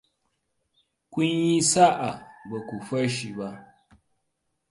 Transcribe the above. Kun yi sa'a ba ku fashe ba.